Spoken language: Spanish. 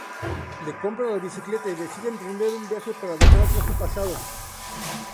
Le compra la bicicleta y decide emprender un viaje para dejar atrás su pasado.